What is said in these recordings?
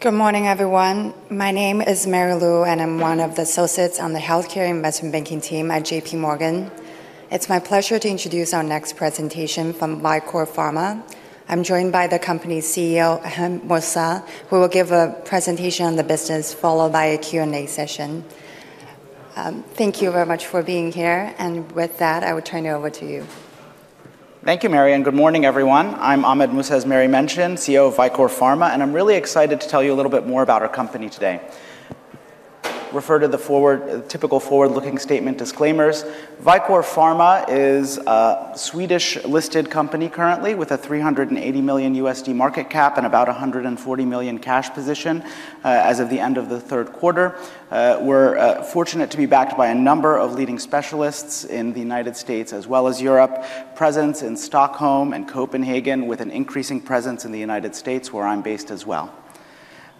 Good morning, everyone. My name is Mary Luo, and I'm one of the Associates on the Healthcare Investment Banking team at JPMorgan. It's my pleasure to introduce our next presentation from Vicore Pharma. I'm joined by the company's CEO, Ahmed Mousa, who will give a presentation on the business, followed by a Q&A session. Thank you very much for being here, and with that, I will turn it over to you. Thank you, Mary. And good morning, everyone. I'm Ahmed Mousa, as Mary mentioned, CEO of Vicore Pharma, and I'm really excited to tell you a little bit more about our company today. Refer to the typical forward-looking statement disclaimers. Vicore Pharma is a Swedish-listed company currently, with a $380 million market cap and about $140 million cash position as of the end of the third quarter. We're fortunate to be backed by a number of leading specialists in the United States, as well as Europe, presence in Stockholm and Copenhagen, with an increasing presence in the United States, where I'm based as well.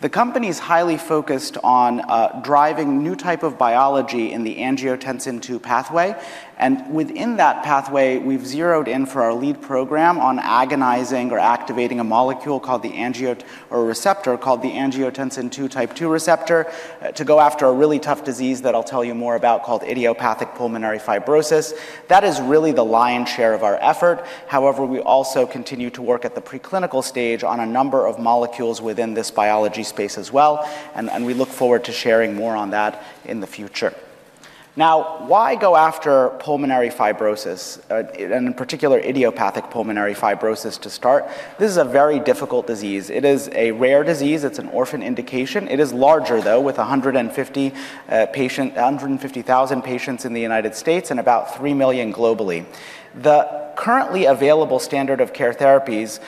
The company is highly focused on driving a new type of biology in the angiotensin II pathway. And within that pathway, we've zeroed in for our lead program on agonizing or activating a molecule called the receptor called the angiotensin II type 2 receptor to go after a really tough disease that I'll tell you more about called idiopathic pulmonary fibrosis. That is really the lion's share of our effort. However, we also continue to work at the preclinical stage on a number of molecules within this biology space as well. And we look forward to sharing more on that in the future. Now, why go after pulmonary fibrosis, and in particular idiopathic pulmonary fibrosis, to start? This is a very difficult disease. It is a rare disease. It's an orphan indication. It is larger, though, with 150,000 patients in the United States and about 3 million globally. The currently available standard of care therapies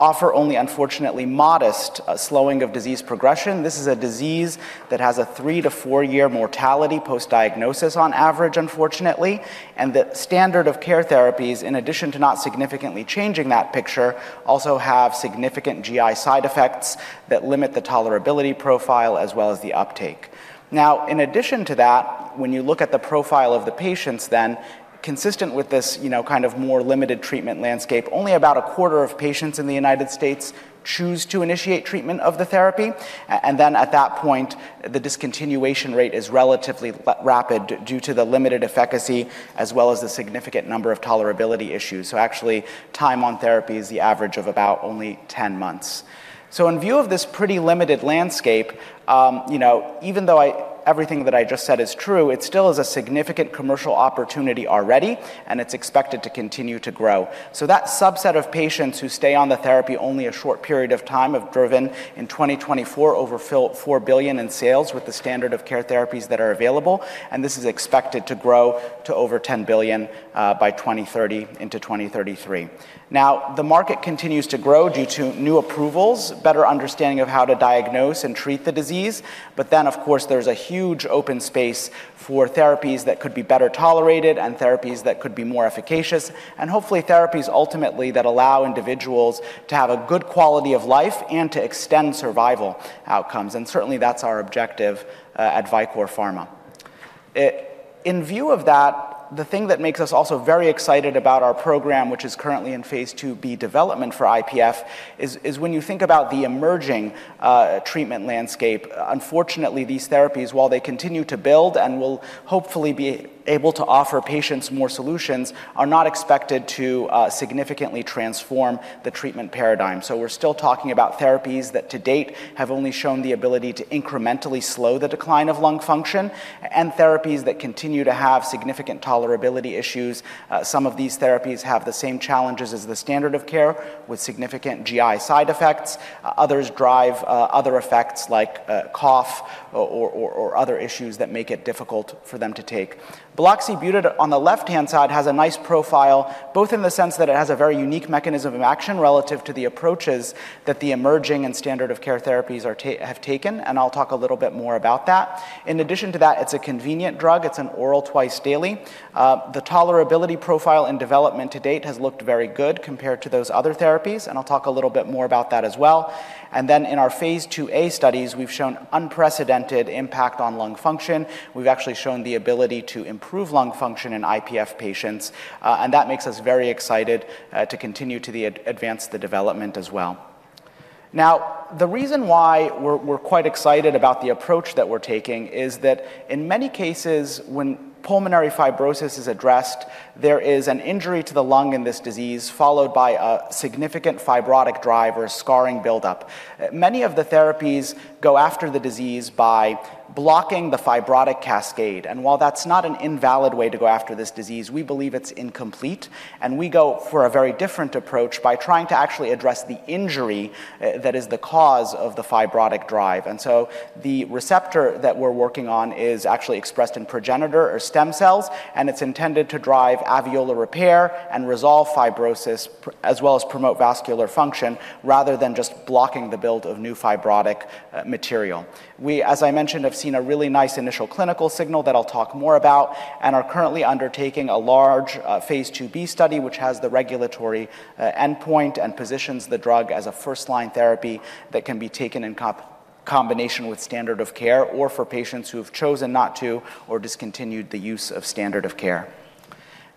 offer only, unfortunately, modest slowing of disease progression. This is a disease that has a three-to-four-year mortality post-diagnosis on average, unfortunately, and the standard of care therapies, in addition to not significantly changing that picture, also have significant GI side effects that limit the tolerability profile as well as the uptake. Now, in addition to that, when you look at the profile of the patients, then consistent with this kind of more limited treatment landscape, only about a quarter of patients in the United States choose to initiate treatment of the therapy, and then at that point, the discontinuation rate is relatively rapid due to the limited efficacy as well as the significant number of tolerability issues, so actually, time on therapy is the average of about only 10 months. So in view of this pretty limited landscape, even though everything that I just said is true, it still is a significant commercial opportunity already, and it's expected to continue to grow. So that subset of patients who stay on the therapy only a short period of time have driven in 2024 over $4 billion in sales with the standard of care therapies that are available. And this is expected to grow to over $10 billion by 2030 into 2033. Now, the market continues to grow due to new approvals, better understanding of how to diagnose and treat the disease. But then, of course, there's a huge open space for therapies that could be better tolerated and therapies that could be more efficacious, and hopefully therapies ultimately that allow individuals to have a good quality of life and to extend survival outcomes. And certainly, that's our objective at Vicore Pharma. In view of that, the thing that makes us also very excited about our program, which is currently in phase II-B development for IPF, is when you think about the emerging treatment landscape. Unfortunately, these therapies, while they continue to build and will hopefully be able to offer patients more solutions, are not expected to significantly transform the treatment paradigm. So we're still talking about therapies that to date have only shown the ability to incrementally slow the decline of lung function and therapies that continue to have significant tolerability issues. Some of these therapies have the same challenges as the standard of care with significant GI side effects. Others drive other effects like cough or other issues that make it difficult for them to take. Buloxibutid on the left-hand side has a nice profile, both in the sense that it has a very unique mechanism of action relative to the approaches that the emerging and standard of care therapies have taken, and I'll talk a little bit more about that. In addition to that, it's a convenient drug. It's an oral twice daily. The tolerability profile in development to date has looked very good compared to those other therapies, and I'll talk a little bit more about that as well, and then in our phase II-A studies, we've shown unprecedented impact on lung function. We've actually shown the ability to improve lung function in IPF patients, and that makes us very excited to continue to advance the development as well. Now, the reason why we're quite excited about the approach that we're taking is that in many cases, when pulmonary fibrosis is addressed, there is an injury to the lung in this disease followed by a significant fibrotic drive or scarring buildup. Many of the therapies go after the disease by blocking the fibrotic cascade. And while that's not an invalid way to go after this disease, we believe it's incomplete. And we go for a very different approach by trying to actually address the injury that is the cause of the fibrotic drive. And so the receptor that we're working on is actually expressed in progenitor or stem cells, and it's intended to drive alveolar repair and resolve fibrosis as well as promote vascular function rather than just blocking the build of new fibrotic material. We, as I mentioned, have seen a really nice initial clinical signal that I'll talk more about and are currently undertaking a large phase II-B study, which has the regulatory endpoint and positions the drug as a first-line therapy that can be taken in combination with standard of care or for patients who have chosen not to or discontinued the use of standard of care.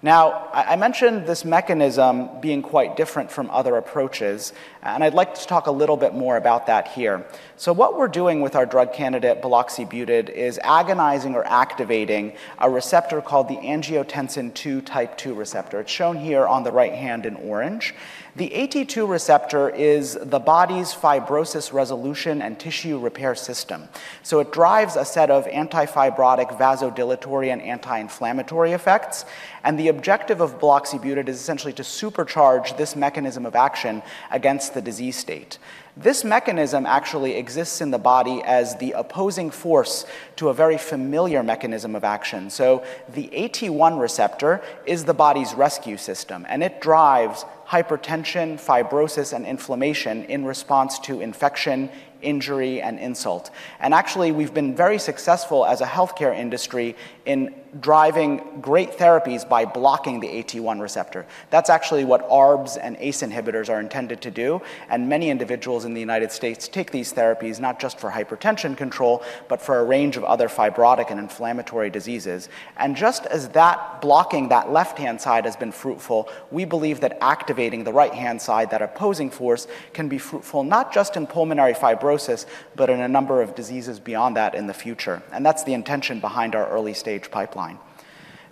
Now, I mentioned this mechanism being quite different from other approaches, and I'd like to talk a little bit more about that here. So what we're doing with our drug candidate, buloxibutid, is agonizing or activating a receptor called the angiotensin II type 2 receptor. It's shown here on the right hand in orange. The AT2 receptor is the body's fibrosis resolution and tissue repair system. So it drives a set of antifibrotic, vasodilatory, and anti-inflammatory effects. The objective of buloxibutid is essentially to supercharge this mechanism of action against the disease state. This mechanism actually exists in the body as the opposing force to a very familiar mechanism of action. The AT1 receptor is the body's rescue system, and it drives hypertension, fibrosis, and inflammation in response to infection, injury, and insult. Actually, we've been very successful as a healthcare industry in driving great therapies by blocking the AT1 receptor. That's actually what ARBs and ACE inhibitors are intended to do. Many individuals in the United States take these therapies not just for hypertension control, but for a range of other fibrotic and inflammatory diseases. Just as that blocking that left-hand side has been fruitful, we believe that activating the right-hand side, that opposing force, can be fruitful not just in pulmonary fibrosis, but in a number of diseases beyond that in the future. That's the intention behind our early-stage pipeline.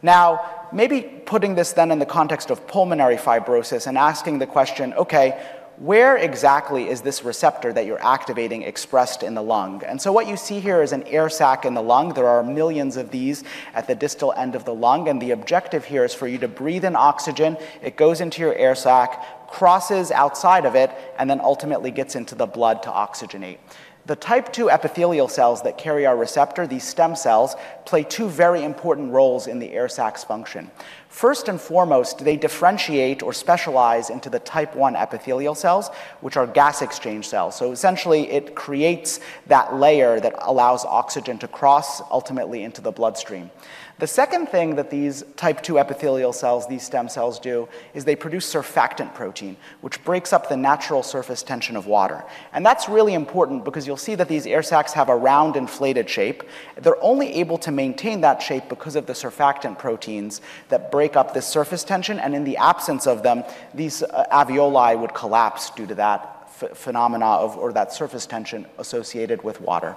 Now, maybe putting this then in the context of pulmonary fibrosis and asking the question, okay, where exactly is this receptor that you're activating expressed in the lung? So what you see here is an air sac in the lung. There are millions of these at the distal end of the lung. The objective here is for you to breathe in oxygen. It goes into your air sac, crosses outside of it, and then ultimately gets into the blood to oxygenate. The type II epithelial cells that carry our receptor, these stem cells, play two very important roles in the air sac's function. First and foremost, they differentiate or specialize into the type I epithelial cells, which are gas exchange cells. So essentially, it creates that layer that allows oxygen to cross ultimately into the bloodstream. The second thing that these type II epithelial cells, these stem cells do, is they produce surfactant protein, which breaks up the natural surface tension of water. And that's really important because you'll see that these air sacs have a round inflated shape. They're only able to maintain that shape because of the surfactant proteins that break up this surface tension. And in the absence of them, these alveoli would collapse due to that phenomena or that surface tension associated with water.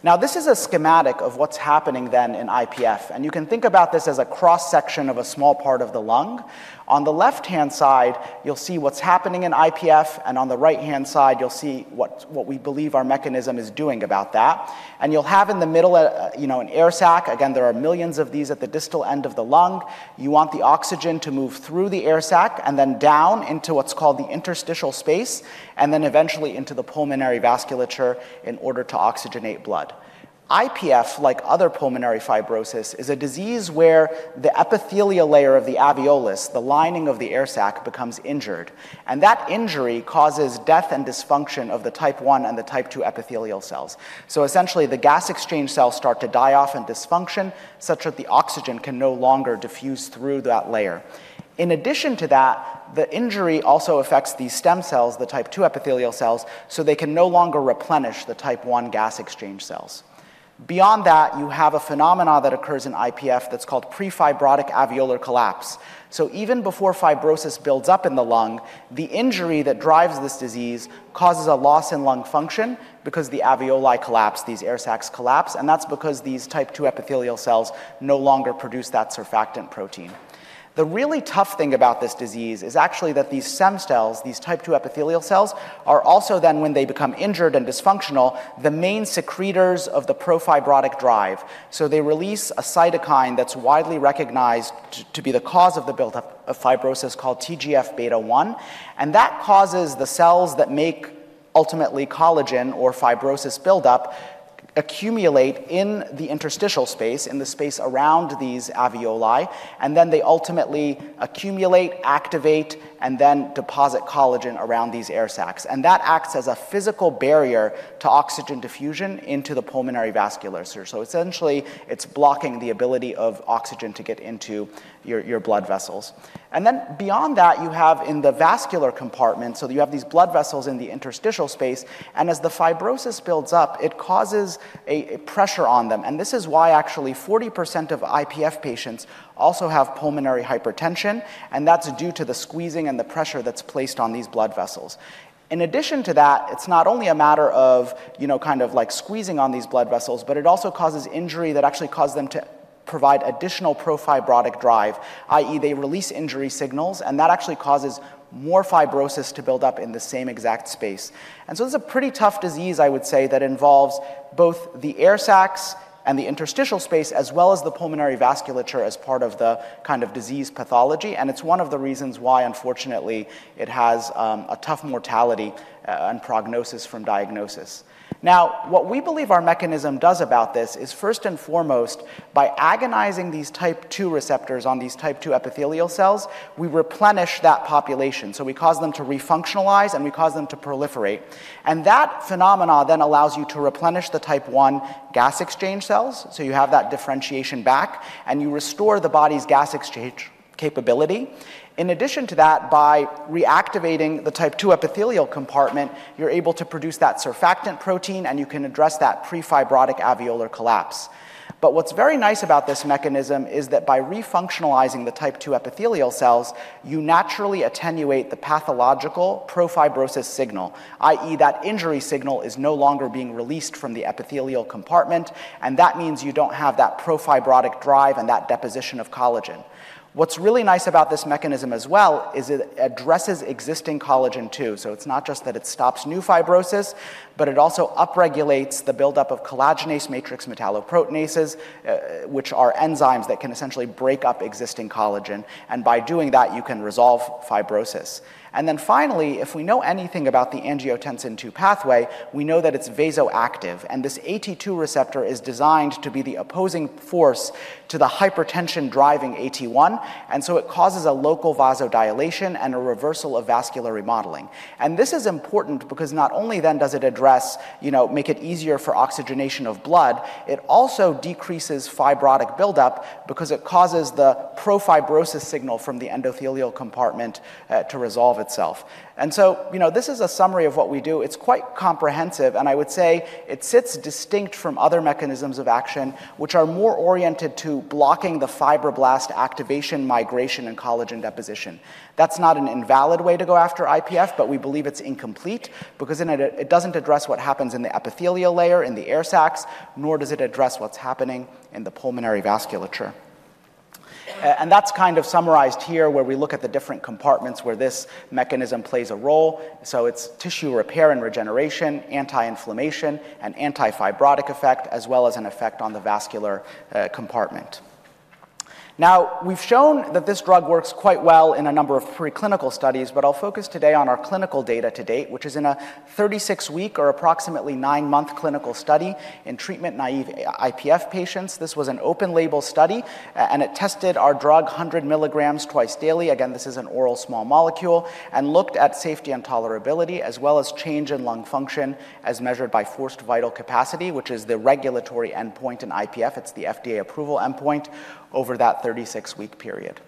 Now, this is a schematic of what's happening then in IPF. And you can think about this as a cross-section of a small part of the lung. On the left-hand side, you'll see what's happening in IPF. And on the right-hand side, you'll see what we believe our mechanism is doing about that. And you'll have in the middle an air sac. Again, there are millions of these at the distal end of the lung. You want the oxygen to move through the air sac and then down into what's called the interstitial space, and then eventually into the pulmonary vasculature in order to oxygenate blood. IPF, like other pulmonary fibrosis, is a disease where the epithelial layer of the alveolus, the lining of the air sac, becomes injured. And that injury causes death and dysfunction of the type I and the type II epithelial cells. Essentially, the gas exchange cells start to die off and dysfunction such that the oxygen can no longer diffuse through that layer. In addition to that, the injury also affects these stem cells, the type II epithelial cells, so they can no longer replenish the type I gas exchange cells. Beyond that, you have a phenomenon that occurs in IPF that's called prefibrotic alveolar collapse. Even before fibrosis builds up in the lung, the injury that drives this disease causes a loss in lung function because the alveoli collapse, these air sacs collapse. That's because these type II epithelial cells no longer produce that surfactant protein. The really tough thing about this disease is actually that these stem cells, these type II epithelial cells, are also then when they become injured and dysfunctional, the main secretors of the profibrotic drive. So they release a cytokine that's widely recognized to be the cause of the buildup of fibrosis called TGF-beta1. And that causes the cells that make ultimately collagen or fibrosis buildup accumulate in the interstitial space, in the space around these alveoli. And then they ultimately accumulate, activate, and then deposit collagen around these air sacs. And that acts as a physical barrier to oxygen diffusion into the pulmonary vasculature. So essentially, it's blocking the ability of oxygen to get into your blood vessels. And then beyond that, you have in the vascular compartment. So you have these blood vessels in the interstitial space. And as the fibrosis builds up, it causes a pressure on them. And this is why actually 40% of IPF patients also have pulmonary hypertension. And that's due to the squeezing and the pressure that's placed on these blood vessels. In addition to that, it's not only a matter of kind of like squeezing on these blood vessels, but it also causes injury that actually causes them to provide additional profibrotic drive, i.e., they release injury signals, and that actually causes more fibrosis to build up in the same exact space, and so it's a pretty tough disease, I would say, that involves both the air sacs and the interstitial space as well as the pulmonary vasculature as part of the kind of disease pathology, and it's one of the reasons why, unfortunately, it has a tough mortality and prognosis from diagnosis. Now, what we believe our mechanism does about this is first and foremost, by agonizing these type II receptors on these type II epithelial cells, we replenish that population, so we cause them to refunctionalize, and we cause them to proliferate. That phenomenon then allows you to replenish the type I gas exchange cells. So you have that differentiation back, and you restore the body's gas exchange capability. In addition to that, by reactivating the type II epithelial compartment, you're able to produce that surfactant protein, and you can address that prefibrotic alveolar collapse. But what's very nice about this mechanism is that by refunctionalizing the type II epithelial cells, you naturally attenuate the pathological pro-fibrotic signal, i.e., that injury signal is no longer being released from the epithelial compartment. And that means you don't have that pro-fibrotic drive and that deposition of collagen. What's really nice about this mechanism as well is it addresses existing collagen too. So it's not just that it stops new fibrosis, but it also upregulates the buildup of collagenase matrix metalloproteinases, which are enzymes that can essentially break up existing collagen. By doing that, you can resolve fibrosis. Then finally, if we know anything about the angiotensin II pathway, we know that it's vasoactive. This AT2 receptor is designed to be the opposing force to the hypertension driving AT1. So it causes a local vasodilation and a reversal of vascular remodeling. This is important because not only then does it address, make it easier for oxygenation of blood, it also decreases fibrotic buildup because it causes the profibrosis signal from the endothelial compartment to resolve itself. So this is a summary of what we do. It's quite comprehensive. I would say it sits distinct from other mechanisms of action, which are more oriented to blocking the fibroblast activation migration and collagen deposition. That's not an invalid way to go after IPF, but we believe it's incomplete because it doesn't address what happens in the epithelial layer in the air sacs, nor does it address what's happening in the pulmonary vasculature, and that's kind of summarized here where we look at the different compartments where this mechanism plays a role. So it's tissue repair and regeneration, anti-inflammation, and antifibrotic effect, as well as an effect on the vascular compartment. Now, we've shown that this drug works quite well in a number of preclinical studies, but I'll focus today on our clinical data to date, which is in a 36-week or approximately nine-month clinical study in treatment-naive IPF patients. This was an open-label study, and it tested our drug 100 milligrams twice daily. Again, this is an oral small molecule and looked at safety and tolerability as well as change in lung function as measured by forced vital capacity, which is the regulatory endpoint in IPF. It's the FDA approval endpoint over that 36-week period.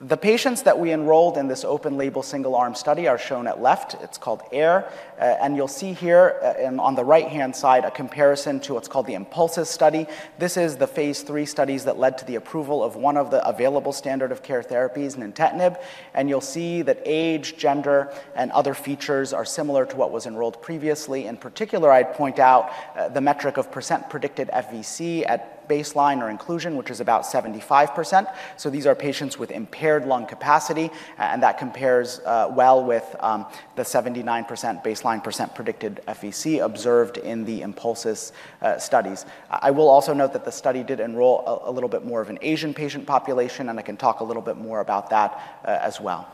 The patients that we enrolled in this open-label single-arm study are shown at left. It's called AIR. And you'll see here on the right-hand side a comparison to what's called the INPULSIS study. This is the phase III studies that led to the approval of one of the available standard of care therapies, nintedanib. And you'll see that age, gender, and other features are similar to what was enrolled previously. In particular, I'd point out the metric of percent predicted FVC at baseline or inclusion, which is about 75%. These are patients with impaired lung capacity, and that compares well with the 79% baseline percent predicted FVC observed in the INPULSIS studies. I will also note that the study did enroll a little bit more of an Asian patient population, and I can talk a little bit more about that as well.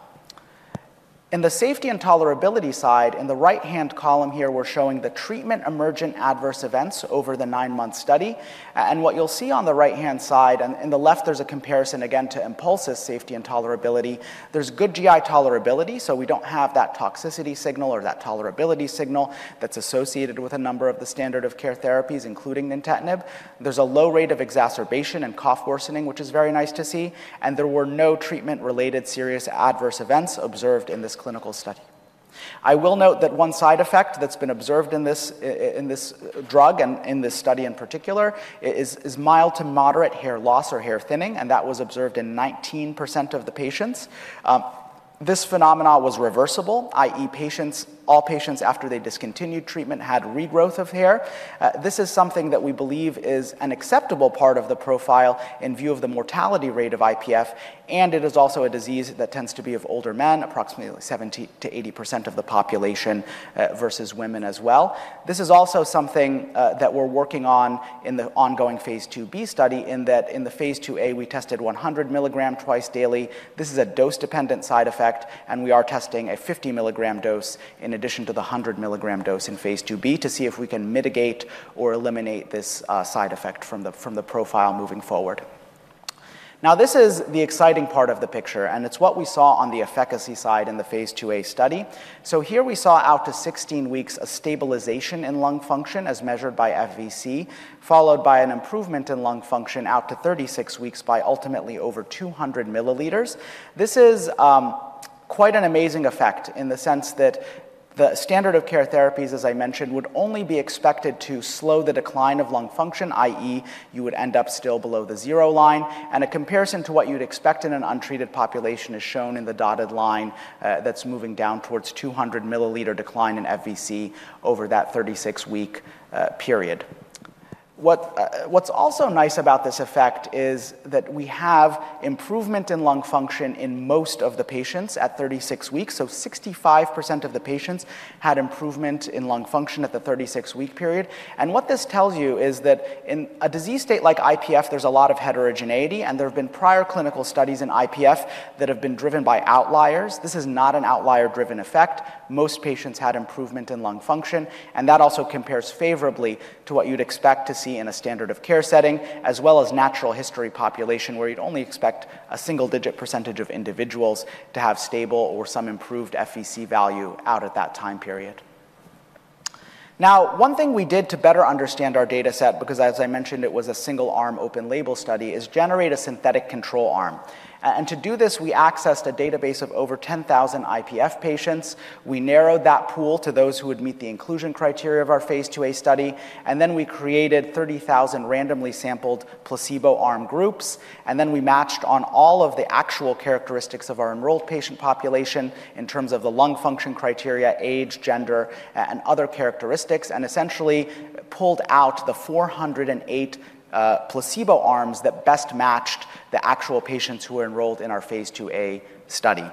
In the safety and tolerability side, in the right-hand column here, we're showing the treatment emergent adverse events over the nine-month study. What you'll see on the right-hand side, and in the left, there's a comparison again to INPULSIS safety and tolerability. There's good GI tolerability, so we don't have that toxicity signal or that tolerability signal that's associated with a number of the standard of care therapies, including nintedanib. There's a low rate of exacerbation and cough worsening, which is very nice to see. There were no treatment-related serious adverse events observed in this clinical study. I will note that one side effect that's been observed in this drug and in this study in particular is mild to moderate hair loss or hair thinning, and that was observed in 19% of the patients. This phenomenon was reversible, i.e., all patients after they discontinued treatment had regrowth of hair. This is something that we believe is an acceptable part of the profile in view of the mortality rate of IPF. It is also a disease that tends to be of older men, approximately 70%-80% of the population versus women as well. This is also something that we're working on in the ongoing phase II-B study in that in the phase II-A, we tested 100 milligram twice daily. This is a dose-dependent side effect, and we are testing a 50 milligram dose in addition to the 100 milligram dose in phase II-B to see if we can mitigate or eliminate this side effect from the profile moving forward. Now, this is the exciting part of the picture, and it's what we saw on the efficacy side in the phase II-A study. So here we saw out to 16 weeks a stabilization in lung function as measured by FVC, followed by an improvement in lung function out to 36 weeks by ultimately over 200 milliliters. This is quite an amazing effect in the sense that the standard of care therapies, as I mentioned, would only be expected to slow the decline of lung function, i.e., you would end up still below the zero line. A comparison to what you'd expect in an untreated population is shown in the dotted line that's moving down towards 200 milliliter decline in FVC over that 36-week period. What's also nice about this effect is that we have improvement in lung function in most of the patients at 36 weeks. 65% of the patients had improvement in lung function at the 36-week period. What this tells you is that in a disease state like IPF, there's a lot of heterogeneity, and there have been prior clinical studies in IPF that have been driven by outliers. This is not an outlier-driven effect. Most patients had improvement in lung function, and that also compares favorably to what you'd expect to see in a standard of care setting as well as natural history population where you'd only expect a single-digit % of individuals to have stable or some improved FVC value out at that time period. Now, one thing we did to better understand our data set, because as I mentioned, it was a single-arm open-label study, is generate a synthetic control arm. To do this, we accessed a database of over 10,000 IPF patients. We narrowed that pool to those who would meet the inclusion criteria of our phase II-A study, and then we created 30,000 randomly sampled placebo-arm groups. And then we matched on all of the actual characteristics of our enrolled patient population in terms of the lung function criteria, age, gender, and other characteristics, and essentially pulled out the 408 placebo arms that best matched the actual patients who were enrolled in our phase II-A study.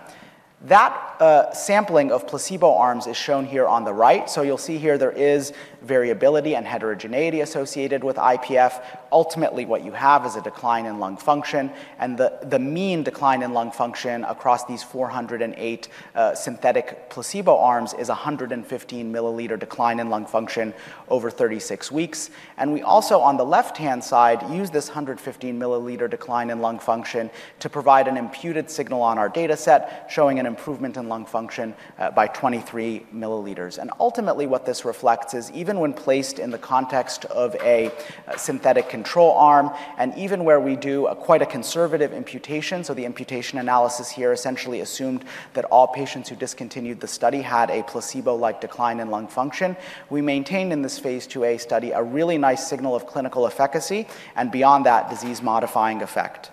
That sampling of placebo arms is shown here on the right. So you'll see here there is variability and heterogeneity associated with IPF. Ultimately, what you have is a decline in lung function, and the mean decline in lung function across these 408 synthetic placebo arms is 115 milliliter decline in lung function over 36 weeks. And we also, on the left-hand side, used this 115 milliliter decline in lung function to provide an imputed signal on our data set showing an improvement in lung function by 23 milliliters. Ultimately, what this reflects is even when placed in the context of a synthetic control arm, and even where we do quite a conservative imputation, so the imputation analysis here essentially assumed that all patients who discontinued the study had a placebo-like decline in lung function, we maintained in this phase II-A study a really nice signal of clinical efficacy and beyond that disease-modifying effect.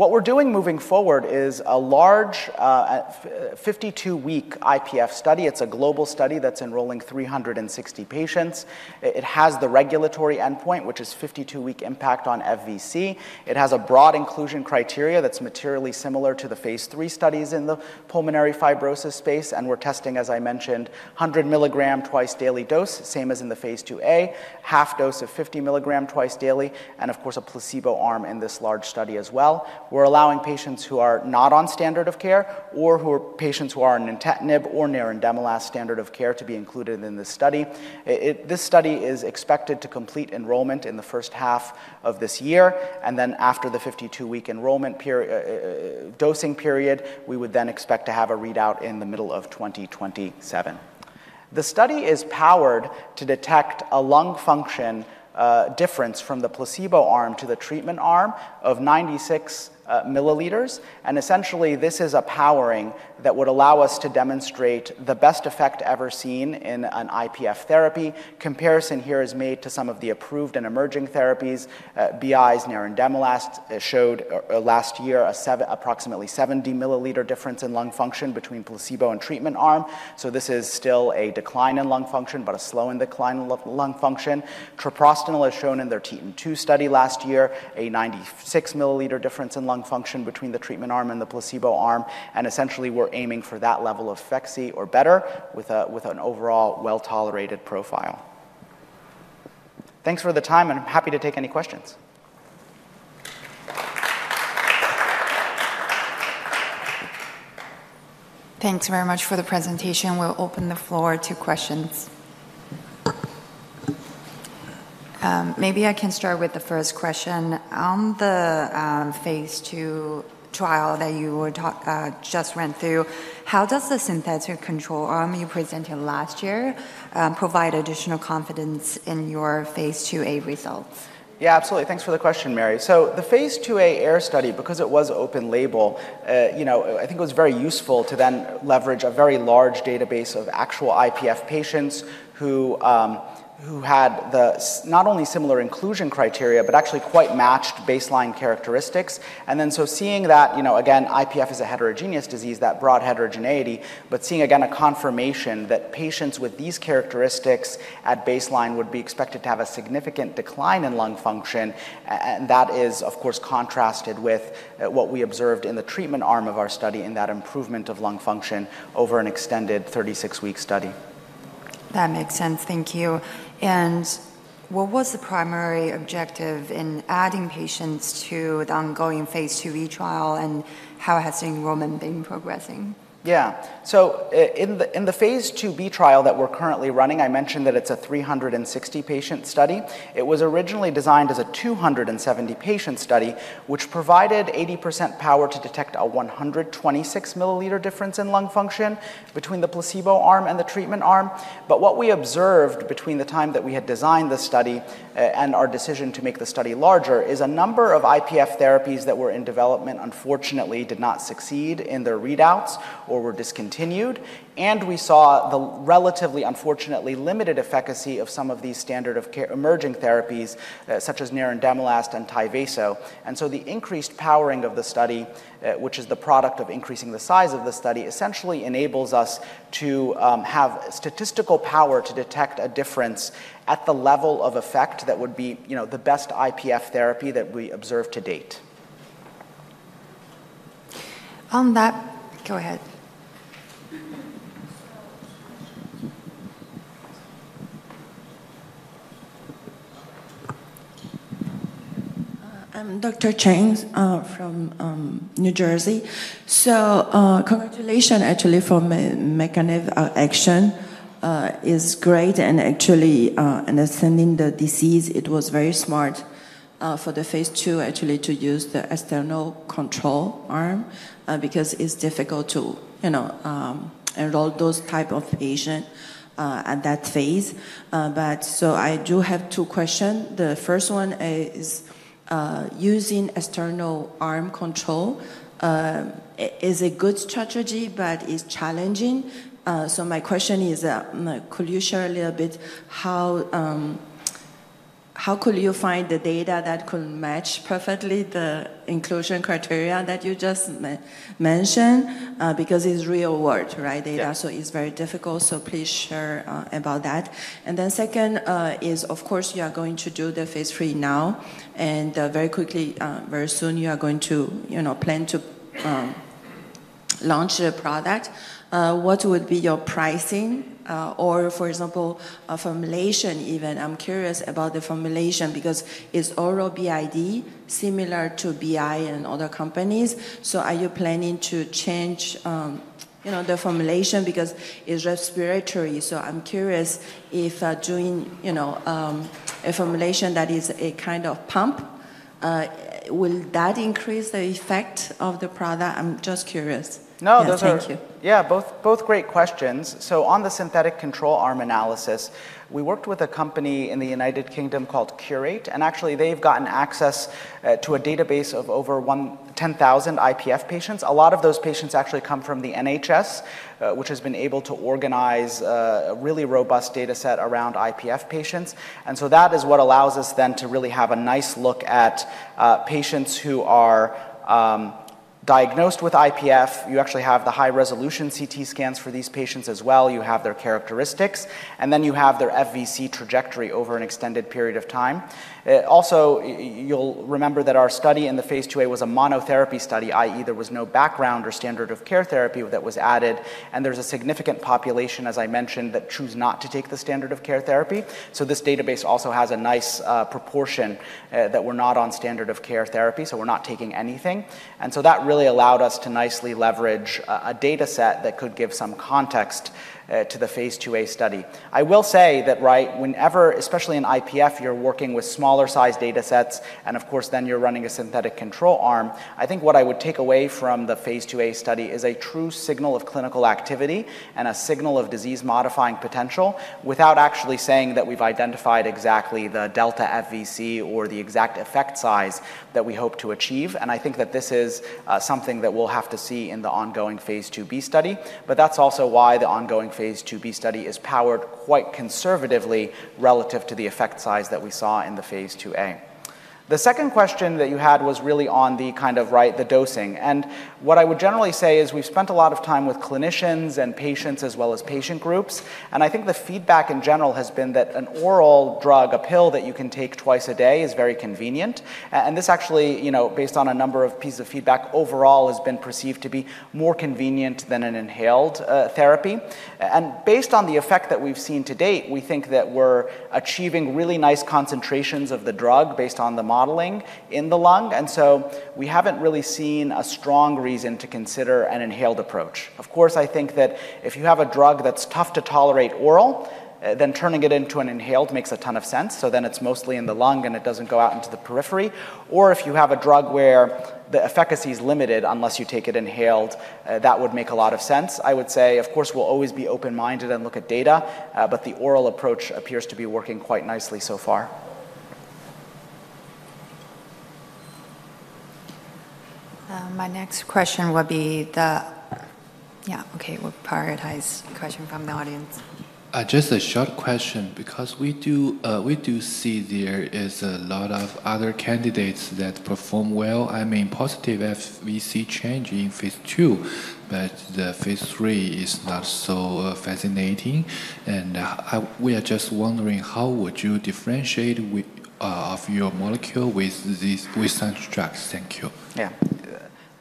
What we're doing moving forward is a large 52-week IPF study. It's a global study that's enrolling 360 patients. It has the regulatory endpoint, which is 52-week impact on FVC. It has a broad inclusion criteria that's materially similar to the phase III studies in the pulmonary fibrosis space. We're testing, as I mentioned, 100 milligrams twice daily dose, same as in the phase II-A, half dose of 50 milligrams twice daily, and of course, a placebo arm in this large study as well. We're allowing patients who are not on standard of care or who are patients who are on nintedanib or nerandomilast standard of care to be included in this study. This study is expected to complete enrollment in the first half of this year. After the 52-week dosing period, we would then expect to have a readout in the middle of 2027. The study is powered to detect a lung function difference from the placebo arm to the treatment arm of 96 milliliters. Essentially, this is a powering that would allow us to demonstrate the best effect ever seen in an IPF therapy. Comparison here is made to some of the approved and emerging therapies. BI's nerandomilast showed last year an approximately 70 milliliter difference in lung function between placebo and treatment arm, so this is still a decline in lung function, but a slowing decline in lung function. Treprostenil is shown in their TETON-2 study last year, a 96 milliliter difference in lung function between the treatment arm and the placebo arm, and essentially, we're aiming for that level of efficacy or better with an overall well-tolerated profile. Thanks for the time, and I'm happy to take any questions. Thanks very much for the presentation. We'll open the floor to questions. Maybe I can start with the first question. On the phase II trial that you just ran through, how does the synthetic control arm you presented last year provide additional confidence in your phase II-A results? Yeah, absolutely. Thanks for the question, Mary. So the phase II-A AIR study, because it was open label, I think it was very useful to then leverage a very large database of actual IPF patients who had not only similar inclusion criteria, but actually quite matched baseline characteristics. And then so seeing that, again, IPF is a heterogeneous disease that brought heterogeneity, but seeing again a confirmation that patients with these characteristics at baseline would be expected to have a significant decline in lung function. And that is, of course, contrasted with what we observed in the treatment arm of our study in that improvement of lung function over an extended 36-week study. That makes sense. Thank you. And what was the primary objective in adding patients to the ongoing phase II-B trial, and how has the enrollment been progressing? Yeah. So in the phase II-B trial that we're currently running, I mentioned that it's a 360-patient study. It was originally designed as a 270-patient study, which provided 80% power to detect a 126 milliliter difference in lung function between the placebo arm and the treatment arm. But what we observed between the time that we had designed the study and our decision to make the study larger is a number of IPF therapies that were in development, unfortunately, did not succeed in their readouts or were discontinued. And we saw the relatively, unfortunately, limited efficacy of some of these standard of care emerging therapies, such as nerandomilast and Tyvaso. The increased powering of the study, which is the product of increasing the size of the study, essentially enables us to have statistical power to detect a difference at the level of effect that would be the best IPF therapy that we observed to date. On that, go ahead. I'm Dr. James from New Jersey, so congratulations actually on the mechanism of action. It's great and actually understanding the disease. It was very smart for the phase II actually to use the external control arm because it's difficult to enroll those types of patients at that phase, but so I do have two questions. The first one is using external arm control is a good strategy, but it's challenging, so my question is, could you share a little bit how could you find the data that could match perfectly the inclusion criteria that you just mentioned? Because it's real-world data, so it's very difficult, so please share about that. And then second is, of course, you are going to do the phase III now, and very quickly, very soon, you are going to plan to launch the product. What would be your pricing? Or, for example, formulation even. I'm curious about the formulation because it's oral BID, similar to BI and other companies. So are you planning to change the formulation? Because it's respiratory, so I'm curious if doing a formulation that is a kind of pump will that increase the effect of the product? I'm just curious. No, those are. Thank you. Yeah, both great questions. So on the synthetic control arm analysis, we worked with a company in the United Kingdom called Qureight, and actually they've gotten access to a database of over 10,000 IPF patients. A lot of those patients actually come from the NHS, which has been able to organize a really robust data set around IPF patients. And so that is what allows us then to really have a nice look at patients who are diagnosed with IPF. You actually have the high-resolution CT scans for these patients as well. You have their characteristics, and then you have their FVC trajectory over an extended period of time. Also, you'll remember that our study in the phase II-A was a monotherapy study, i.e., there was no background or standard of care therapy that was added, and there's a significant population, as I mentioned, that choose not to take the standard of care therapy. So this database also has a nice proportion that we're not on standard of care therapy, so we're not taking anything, and so that really allowed us to nicely leverage a data set that could give some context to the phase II-A study. I will say that whenever, especially in IPF, you're working with smaller-sized data sets, and of course, then you're running a synthetic control arm, I think what I would take away from the phase II-A study is a true signal of clinical activity and a signal of disease-modifying potential without actually saying that we've identified exactly the delta FVC or the exact effect size that we hope to achieve, and I think that this is something that we'll have to see in the ongoing phase II-B study, but that's also why the ongoing phase II-B study is powered quite conservatively relative to the effect size that we saw in the phase II-A. The second question that you had was really on the kind of dosing. And what I would generally say is we've spent a lot of time with clinicians and patients as well as patient groups. And I think the feedback in general has been that an oral drug, a pill that you can take twice a day, is very convenient. And this actually, based on a number of pieces of feedback overall, has been perceived to be more convenient than an inhaled therapy. And based on the effect that we've seen to date, we think that we're achieving really nice concentrations of the drug based on the modeling in the lung. And so we haven't really seen a strong reason to consider an inhaled approach. Of course, I think that if you have a drug that's tough to tolerate oral, then turning it into an inhaled makes a ton of sense. So then it's mostly in the lung and it doesn't go out into the periphery. Or if you have a drug where the efficacy is limited unless you take it inhaled, that would make a lot of sense. I would say, of course, we'll always be open-minded and look at data, but the oral approach appears to be working quite nicely so far. Yeah, okay, we'll prioritize question from the audience. Just a short question, because we do see there is a lot of other candidates that perform well. I mean, positive FVC change in phase II, but the phase III is not so fascinating. And we are just wondering how would you differentiate your molecule with these boosted drugs? Thank you. Yeah.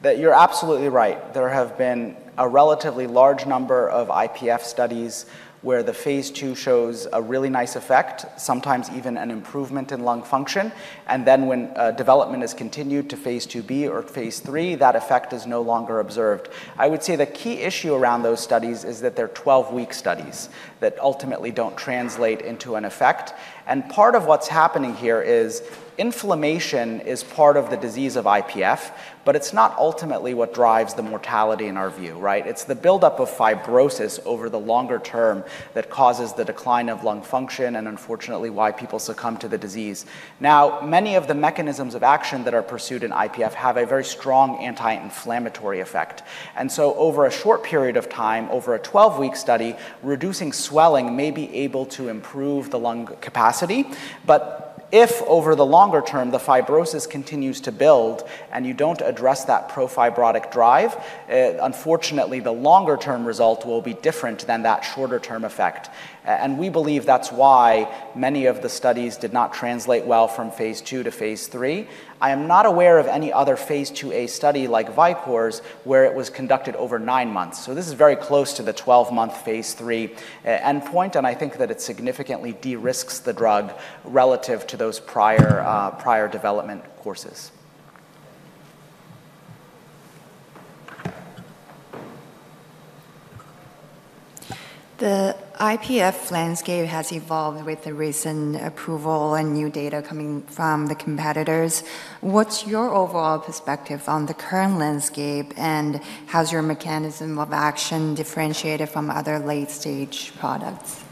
You're absolutely right. There have been a relatively large number of IPF studies where the phase II shows a really nice effect, sometimes even an improvement in lung function. And then when development has continued to phase II-B or phase III, that effect is no longer observed. I would say the key issue around those studies is that they're 12-week studies that ultimately don't translate into an effect. And part of what's happening here is inflammation is part of the disease of IPF, but it's not ultimately what drives the mortality in our view, right? It's the buildup of fibrosis over the longer term that causes the decline of lung function and unfortunately why people succumb to the disease. Now, many of the mechanisms of action that are pursued in IPF have a very strong anti-inflammatory effect. And so over a short period of time, over a 12-week study, reducing swelling may be able to improve the lung capacity. But if over the longer term the fibrosis continues to build and you don't address that pro-fibrotic drive, unfortunately the longer-term result will be different than that shorter-term effect. And we believe that's why many of the studies did not translate well from phase II to phase III. I am not aware of any other phase II-A study like Vicore's where it was conducted over nine months. So this is very close to the 12-month phase III endpoint, and I think that it significantly de-risks the drug relative to those prior development courses. The IPF landscape has evolved with the recent approval and new data coming from the competitors. What's your overall perspective on the current landscape and how's your mechanism of action differentiated from other late-stage products?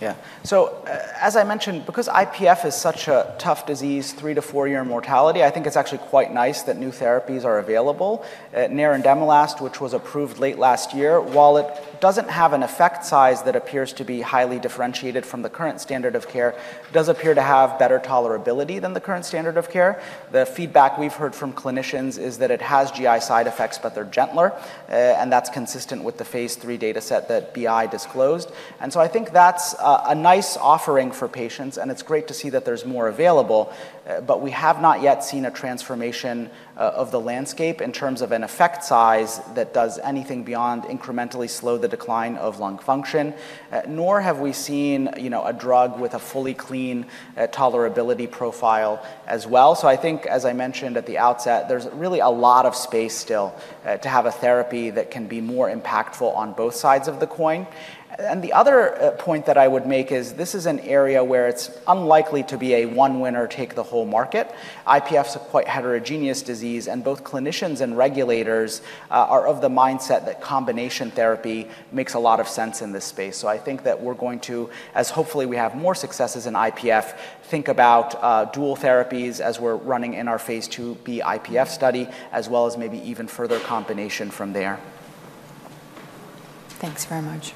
Yeah. So as I mentioned, because IPF is such a tough disease, three- to four-year mortality, I think it's actually quite nice that new therapies are available. Nerandomilast, which was approved late last year, while it doesn't have an effect size that appears to be highly differentiated from the current standard of care, does appear to have better tolerability than the current standard of care. The feedback we've heard from clinicians is that it has GI side effects, but they're gentler, and that's consistent with the phase III data set that BI disclosed. And so I think that's a nice offering for patients, and it's great to see that there's more available, but we have not yet seen a transformation of the landscape in terms of an effect size that does anything beyond incrementally slow the decline of lung function, nor have we seen a drug with a fully clean tolerability profile as well. So I think, as I mentioned at the outset, there's really a lot of space still to have a therapy that can be more impactful on both sides of the coin. And the other point that I would make is this is an area where it's unlikely to be a one-winner take the whole market. IPF's a quite heterogeneous disease, and both clinicians and regulators are of the mindset that combination therapy makes a lot of sense in this space. So I think that we're going to, as hopefully we have more successes in IPF, think about dual therapies as we're running in our phase II-B IPF study, as well as maybe even further combination from there. Thanks very much.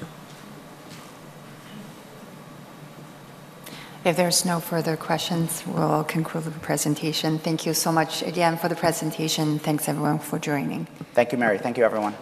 If there's no further questions, we'll conclude the presentation. Thank you so much again for the presentation. Thanks everyone for joining. Thank you, Mary. Thank you, everyone.